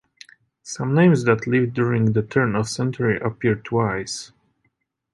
Some names that lived during the turn of a century appear twice.